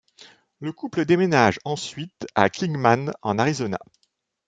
Le couple déménage ensuite à Kingman en Arizona.